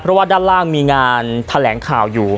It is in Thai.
เพราะว่าด้านล่างมีงานแถลงข่าวอยู่